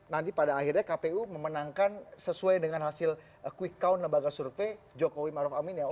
nanti pada akhirnya kpu memenangkan sesuai dengan hasil quick count lembaga survei jokowi maruf amin ya